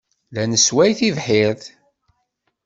La nessway tibḥirt.